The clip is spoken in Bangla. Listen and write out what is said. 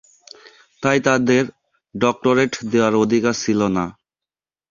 তাই তাদের ডক্টরেট দেওয়ার অধিকার ছিলনা।